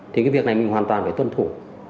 thì cái việc này mình hoàn toàn phải tuân thủ